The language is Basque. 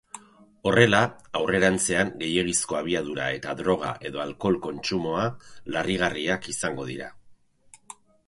Horrela, aurrerantzean gehiegizko abiadura eta droga edo alkohol kontsumoa larrigarriak izango dira.